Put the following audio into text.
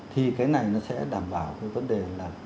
thì cái này nó sẽ đảm bảo cái vấn đề là